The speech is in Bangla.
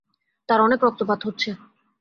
তার অনেক রক্তপাত হচ্ছে।